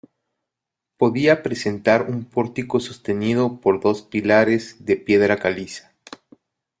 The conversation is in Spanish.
Podía presentar un pórtico sostenido por dos pilares de piedra caliza.